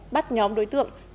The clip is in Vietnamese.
bắt nhóm đối tượng